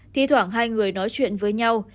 thì thoảng hai người nói chuyện với nhau